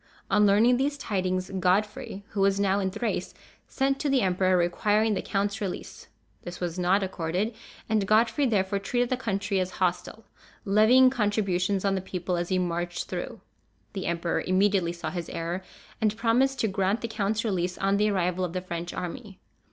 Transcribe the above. On learning these tidings, Godfrey, who was now in Thrace, sent to the emperor, requiring the count's release. This was not accorded, and Godfrey therefore treated the country as hostile, levying contributions on the people as he marched through. The emperor immediately saw his error, and promised to grant the count's release on the arrival of the French army.